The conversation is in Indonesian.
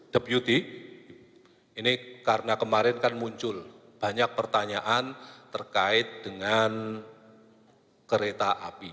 deputi ini karena kemarin kan muncul banyak pertanyaan terkait dengan kereta api